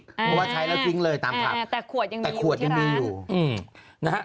เพราะว่าใช้แล้วจริงเลยตามภาพแต่ขวดยังมีอยู่นะฮะ